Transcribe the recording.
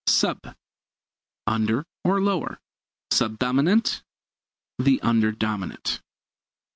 Sub under or lower. Sub dominant the under dominant.